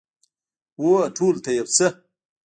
هو، ټولو ته یو څه